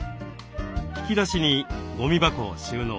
引き出しにゴミ箱を収納。